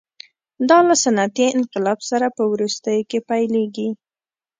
دا له صنعتي انقلاب سره په وروستیو کې پیلېږي.